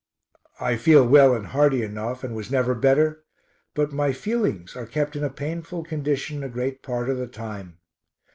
I feel well and hearty enough, and was never better, but my feelings are kept in a painful condition a great part of the time.